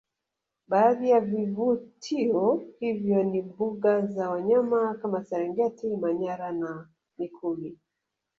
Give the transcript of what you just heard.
Baadhi ya vivutio hivyo ni mbuga za wanyama kama serengeti manyara na mikumi